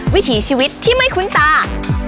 วิถีชีวิตที่ไม่คุ้นตา